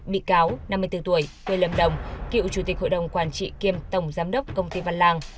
bị cáo năm mươi bốn tuổi quê lâm đồng cựu chủ tịch hội đồng quản trị kiêm tổng giám đốc công ty văn lang